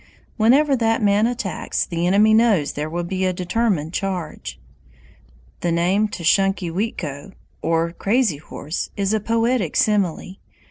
Whenever that man attacks, the enemy knows there will be a determined charge. The name Tashunkewitko, or Crazy Horse, is a poetic simile.